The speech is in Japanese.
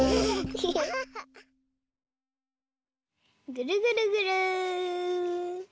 ぐるぐるぐる。